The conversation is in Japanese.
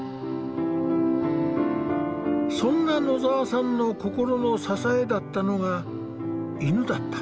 そんな野澤さんの心の支えだったのが犬だった。